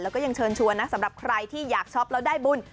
แล้วก็ยังเชิญชวนนะสำหรับใครที่อยากช็อปแล้วได้บุญ